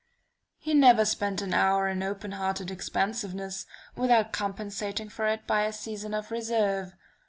"He never spent an hour in open hearted expansiveness, without compensating for it by a season of reserve.